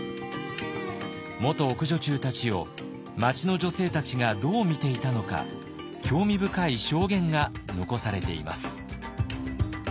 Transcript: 元奥女中たちを町の女性たちがどう見ていたのか興味深い証言が残されています。